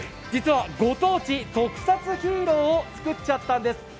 実はご当地特撮ヒーローを作っちゃったんです。